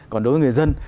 còn đối với người dân